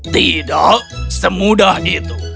tidak semudah itu